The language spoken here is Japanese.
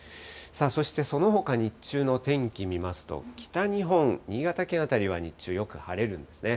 そして、そのほか日中の天気見ますと、北日本、新潟県辺りは日中よく晴れるんですね。